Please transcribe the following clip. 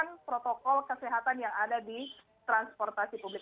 ini adalah protokol kesehatan yang ada di transportasi publik